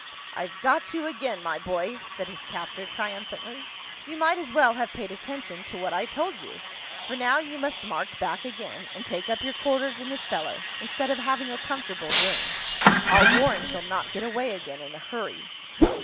"I've got you again, my boy!" said his captor, triumphantly. "You might as well have paid attention to what I told you, for now you must march back again, and take up your quarters in the cellar, instead of having a comfortable room. I'll warrant you'll not get away again in a hurry."